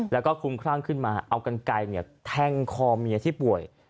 แล้วก็คุ้มครั่งขึ้นมาเอากันไกลแทงคอเมียที่ป่วย